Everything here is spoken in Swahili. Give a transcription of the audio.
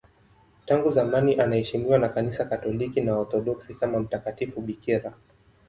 Tangu zamani anaheshimiwa na Kanisa Katoliki na Waorthodoksi kama mtakatifu bikira.